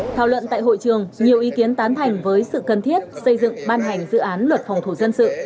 thảo luận tại hội trường nhiều ý kiến tán thành với sự cần thiết xây dựng ban hành dự án luật phòng thủ dân sự